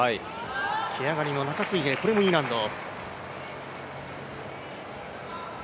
蹴上がりの中水平、これもＥ難度。